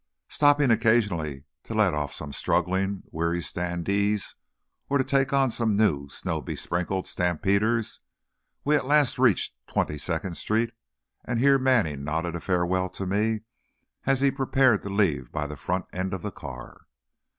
Stopping occasionally to let off some struggling, weary standees and to take on some new snow besprinkled stampeders, we at last reached Twenty second Street, and here Manning nodded a farewell to me, as he prepared to leave by the front end of the car.